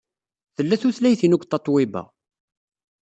Tella tutlayt-inu deg Tatoeba.